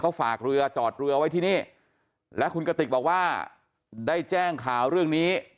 เขาฝากเรือจอดเรือไว้ที่นี่และคุณกติกบอกว่าได้แจ้งข่าวเรื่องนี้